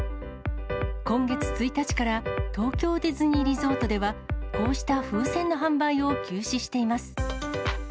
今月１日から、東京ディズニーリゾートでは、こうした風船の販売を休止しています。